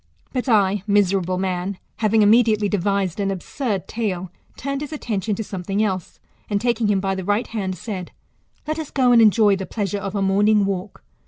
But I, miserable man, having immediately devised an absurd tale, turned his attention to something else, and, taking him by the right hand, said. Let us go, and enjoy the pleasure of a morning walk.